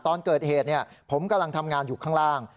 ตอนเกิดเหตุผมกำลังทำงานอยู่ข้างล่าง